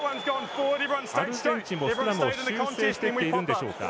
アルゼンチンもスクラムを修正してきているんでしょうか。